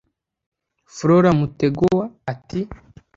Flora Mtegoa ati